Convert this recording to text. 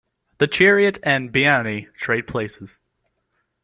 "The Chariot" and "Beanni" trade places.